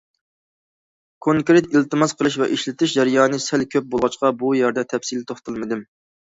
كونكرېت ئىلتىماس قىلىش ۋە ئىشلىتىش جەريانى سەل كۆپ بولغاچقا بۇ يەردە تەپسىلىي توختالمىدىم.